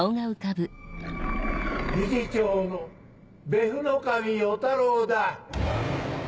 理事長の別府ノ守与太郎だ。